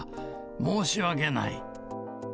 申し訳ない。